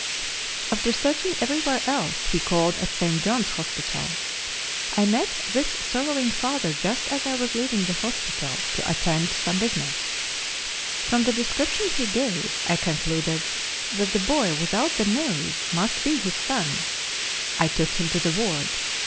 After searching everywhere else he called at St. John's Hospital. I met this sorrowing father just as I was leaving the hospital to attend to some business. From the description he gave I concluded that the boy without the nose must be his son. I took him to the ward.